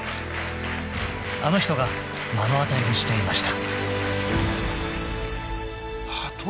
［あの人が目の当たりにしていました］